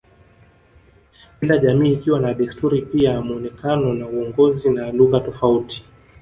Kila jamii ikiwa na desturi pia muonekano na uongozi na lugha tofauti